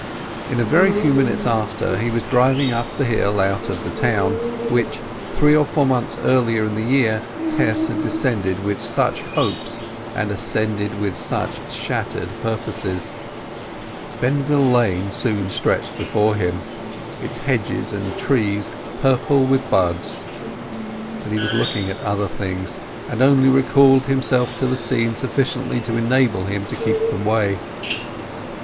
In a very few minutes after, he was driving up the hill out of the town which, three or four months earlier in the year, Tess had descended with such hopes and ascended with such shattered purposes. Benvill Lane soon stretched before him, its hedges and trees purple with buds; but he was looking at other things, and only recalled himself to the scene sufficiently to enable him to keep the way.